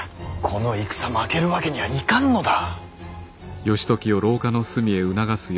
この戦負けるわけにはいかんのだ。